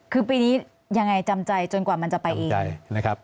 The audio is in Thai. คือปีนี้ยังไงจำใจจนกว่ามันจะไปเองนะครับ